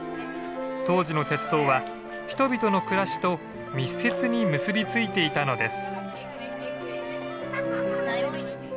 当時の鉄道は人々の暮らしと密接に結びついていたのです。